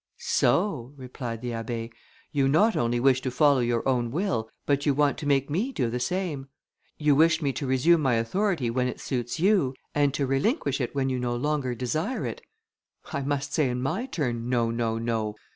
"So," replied the Abbé, "you not only wish to follow your own will, but you want to make me do the same. You wish me to resume my authority when it suits you, and to relinquish it when you no longer desire it. I must say in my turn, no! no! no!